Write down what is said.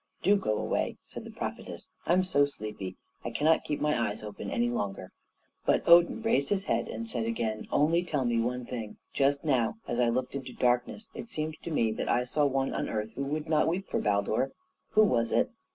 "Do go away," said the prophetess, "I'm so sleepy; I cannot keep my eyes open any longer." But Odin raised his head and said again, "Only tell me one thing. Just now, as I looked into darkness, it seemed to me that I saw one on earth who would not weep for Baldur. Who was it?"